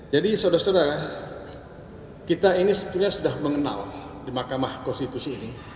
jadi saudara saudara kita ini sebetulnya sudah mengenal di mahkamah konstitusi ini